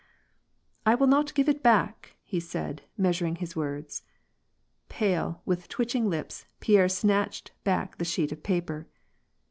" I will not give it back " he said, measuring his words. Pale, with twitching lips, Pierre snatched back the sheet of paper.